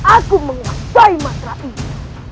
aku menguasai mantra itu